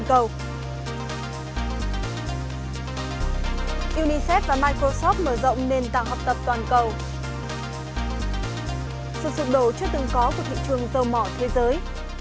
sự sụp đổ chưa từng có của thị trường dầu mỏ thế giới